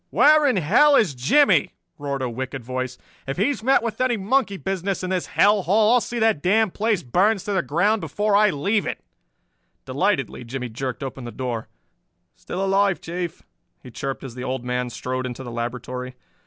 "Where in hell is Jimmie?" roared a wicked voice. "If he's met with any monkey business in this hell hole I'll see that the damned place burns to the ground before I leave it!" Delightedly Jimmie jerked open the door. "Still alive, Chief," he chirped as the Old Man strode into the laboratory.